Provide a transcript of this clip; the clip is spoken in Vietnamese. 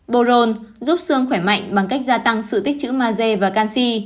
boron giúp xương khỏe mạnh bằng cách gia tăng sự tích chữ maze và canxi